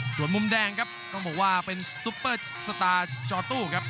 ส่วนมุมแดงครับต้องบอกว่าเป็นซุปเปอร์สตาร์จอตู้ครับ